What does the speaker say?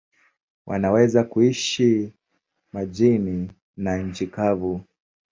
Wanaweza kuishi majini na nchi kavu.